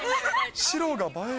白が映える。